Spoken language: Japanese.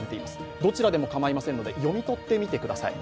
どちらでも構わないので読み取ってみてください。